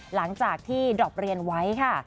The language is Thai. หลังจากที่ดรอปเรียนไว้ค่ะ